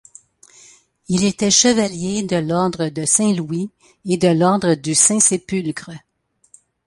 Il était chevalier de l'ordre de Saint-Louis et de l'ordre du Saint-Sépulcre.